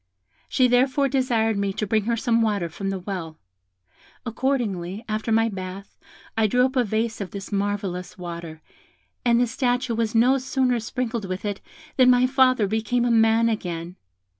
She therefore desired me to bring her some water from the well. Accordingly, after my bath, I drew up a vase of this marvellous water, and the statue was no sooner sprinkled with it, than my father became a man again.